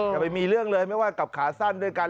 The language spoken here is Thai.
อย่าไปมีเรื่องเลยไม่ว่ากับขาสั้นด้วยกัน